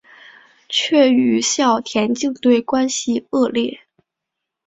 却与校田径队关系恶劣。